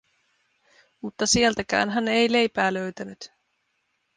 Mutta sieltäkään hän ei leipää löytänyt.